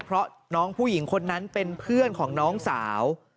เพราะน้องผู้หญิงคนนั้นเป็นเพื่อนของน้องสาว